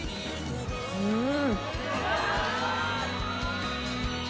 うん。